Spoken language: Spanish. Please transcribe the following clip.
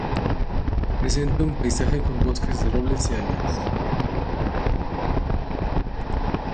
Presenta un paisaje con bosques de robles y hayas.